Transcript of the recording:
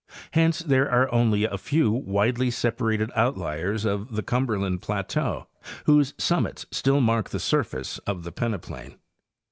Hence there are only a few widely separated outliers of the Cumberland plateau whose summits still mark the surface of the peneplain.